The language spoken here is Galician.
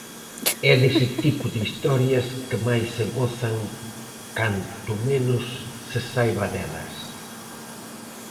É dese tipo de historias que máis se gozan canto menos se saiba delas.